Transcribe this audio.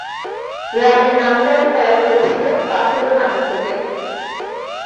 গ্রামের নামকরণ করা হয়েছিল পাথুরে মাটি থেকে।